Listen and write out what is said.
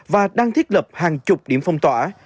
và đang thiết lập hàng chục điểm phong tỏa